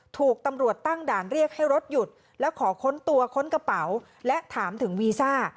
ถูกตำรวจตั้งด่านเรียกให้รถหยุดแล้วขอค้นตัวค้นกระเป๋าและถามถึงวีซ่า